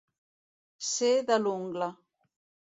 Ser de l'ungla.